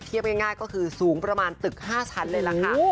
ง่ายก็คือสูงประมาณตึก๕ชั้นเลยล่ะค่ะ